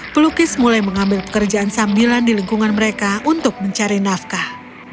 pelukis mulai mengambil pekerjaan sambilan di lingkungan mereka untuk mencari nafkah